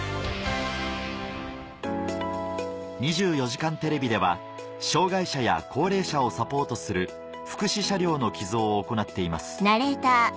『２４時間テレビ』では障がい者や高齢者をサポートする福祉車両の寄贈を行っています